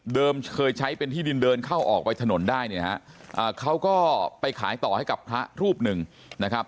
เคยใช้เป็นที่ดินเดินเข้าออกไปถนนได้เนี่ยฮะเขาก็ไปขายต่อให้กับพระรูปหนึ่งนะครับ